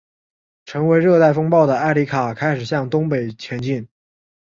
成为热带风暴的埃里卡开始向东北前进。